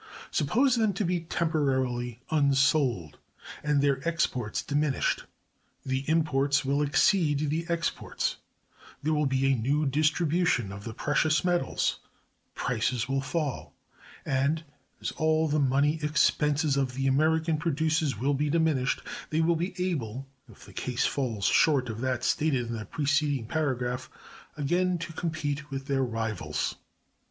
Suppose them to be temporarily unsold, and their exports diminished; the imports will exceed the exports, there will be a new distribution of the precious metals, prices will fall, and, as all the money expenses of the [American] producers will be diminished, they will be able (if the case falls short of that stated in the preceding paragraph) again to compete with their rivals.